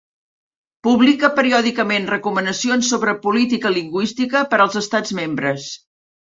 Publica periòdicament recomanacions sobre política lingüística per als estats membres.